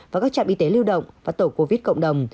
và các trạm y tế lưu động và tổ covid cộng đồng